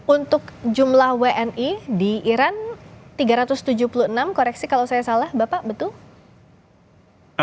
untuk jumlah wni di iran tiga ratus tujuh puluh enam koreksi kalau saya salah bapak betul